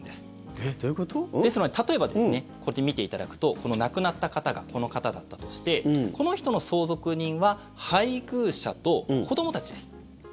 えっ、どういうこと？ですので、例えばこれを見ていただくと亡くなった方がこの方だったとしてこの人の相続人は配偶者と子どもたちです。